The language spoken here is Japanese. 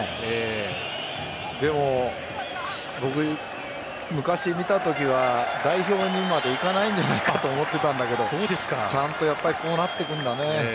でも、僕が昔見たときは代表にまで行かないんじゃないかと思ってたんだけどちゃんとこうなっていくんだね。